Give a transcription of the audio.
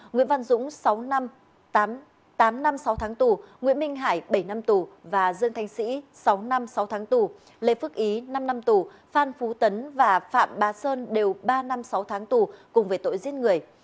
nguyễn văn dũng sáu năm tám năm sáu tháng tù nguyễn minh hải bảy năm tù và dương thanh sĩ sáu năm sáu tháng tù lê phước ý năm năm tù phan phú tấn và phạm bá sơn đều ba năm sáu tháng tù cùng về tội giết người